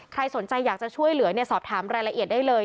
ใครสนใจอยากจะช่วยเหลือสอบถามรายละเอียดได้เลย